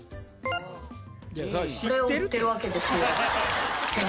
これを売ってるわけですよ。